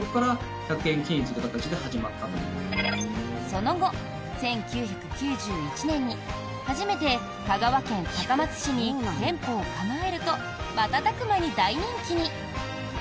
その後、１９９１年に初めて香川県高松市に店舗を構えると瞬く間に大人気に。